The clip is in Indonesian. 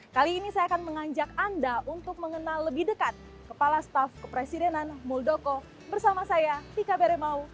kali ini saya akan mengajak anda untuk mengenal lebih dekat kepala staff kepresidenan muldoko bersama saya tika beremau